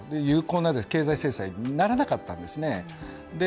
有効な経済制裁にならなかったんですね。